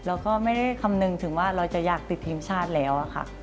เราก็ไม่ได้คำนึงถึงว่าเราจะอยากติดทีมชาติแล้วค่ะ